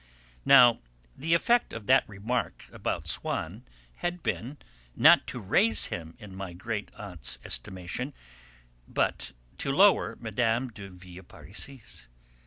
Now, the effect of that remark about Swann had been, not to raise him in my great aunt's estimation, but to lower Mme. de Villeparisis.